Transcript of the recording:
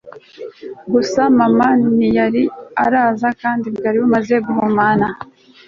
gusa mama ntiyari araza kandi bwari bumaze guhumana